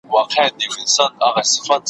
خو د زړه مطلب یې بل وي بل څه غواړي `